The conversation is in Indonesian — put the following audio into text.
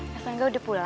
mas rangga udah pulang